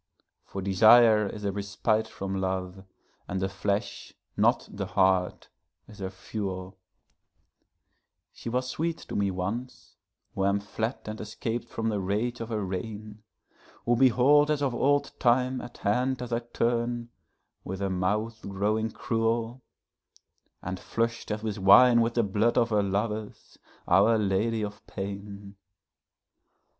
For desire is a respite from love, and the flesh, not the heart, is her fuel; She was sweet to me once, who am fled and escap'd from the rage of her reign; Who behold as of old time at hand as I turn, with her mouth growing cruel, And flush'd as with wine with the blood of her lovers, Our Lady of Pain.